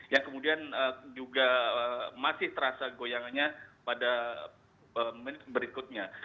yang kemudian juga masih terasa goyangannya pada menit berikutnya